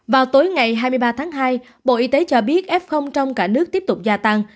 vào tối ngày hai mươi ba tháng hai bộ y tế cho biết f trong cả nước tiếp tục gia tăng